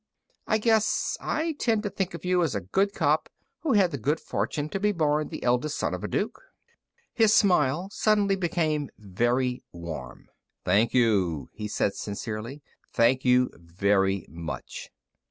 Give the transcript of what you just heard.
"I guess I tend to think of you as a good cop who had the good fortune to be born the eldest son of a Duke." His smile suddenly became very warm. "Thank you," he said sincerely. "Thank you very much."